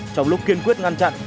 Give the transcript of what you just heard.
trong lúc kiên quyết ngăn chặn